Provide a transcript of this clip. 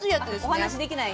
お話できない。